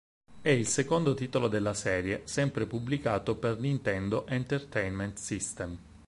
È il secondo titolo della serie, sempre pubblicato per Nintendo Entertainment System.